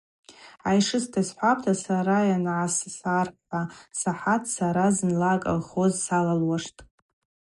Айшыста йсхӏвапӏта, сара йангӏасархӏврасахӏат сара, зынла аколхоз салалуаштӏ.